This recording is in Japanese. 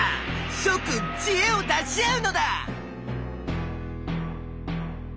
しょくんちえを出し合うのだ！